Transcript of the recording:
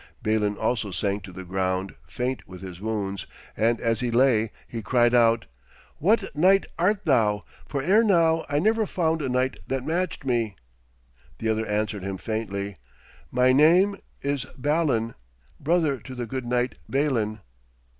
Balin also sank to the ground, faint with his wounds, and as he lay he cried out: 'What knight art thou? for ere now I never found a knight that matched me.' The other answered him faintly: 'My name is Balan, brother to the good knight Balin!'